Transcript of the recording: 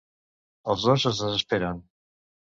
Els dos es desesperen.